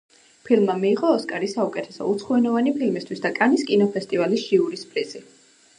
ფილმმა მიიღო ოსკარი საუკეთესო უცხოენოვანი ფილმისთვის და კანის კინოფესტივალის ჟიურის პრიზი.